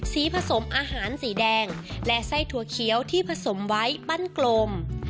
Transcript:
ผสมอาหารสีแดงและไส้ถั่วเขียวที่ผสมไว้ปั้นกลม